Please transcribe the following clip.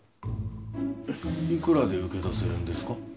いくらで請け出せるんですか？